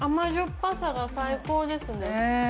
ぱさが最高ですね。